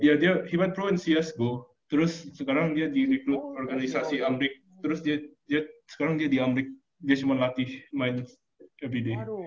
yeah he went pro in csgo terus sekarang dia di recruit organisasi amrik terus sekarang dia di amrik dia cuma latih main everyday